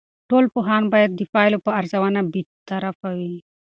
ټول پوهان باید د پایلو په ارزونه کې بیطرف وي.